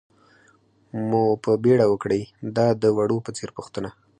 مو په بېړه وکړئ، دا د وړو په څېر پوښتنه.